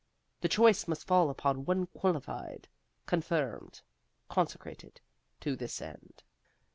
The choice must fall upon one qualified, confirmed, consecrated to this end.